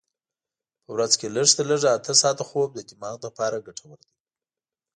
په ورځ کې لږ تر لږه اته ساعته خوب د دماغ لپاره ګټور دی.